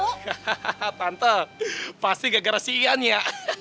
hahaha tante pasti gak gara gara si ian ya